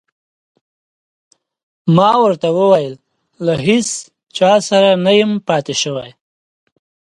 ما ورته وویل: له هیڅ چا سره نه یم پاتې شوی.